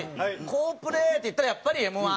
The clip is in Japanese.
好プレーといったらやっぱりＭ−１。